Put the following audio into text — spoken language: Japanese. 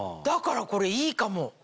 だからこれいいかも。